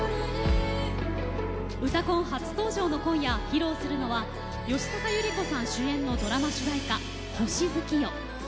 「うたコン」初登場の今夜披露するのは吉高由里子さん主演のドラマ主題歌、「星月夜」。